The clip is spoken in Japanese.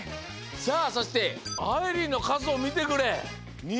さあそしてあいりんのかずをみてくれ。